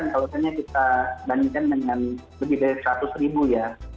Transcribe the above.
kalau misalnya kita bandingkan dengan lebih dari seratus ribu ya